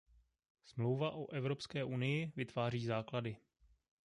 Smlouva o Evropské unii vytváří základy.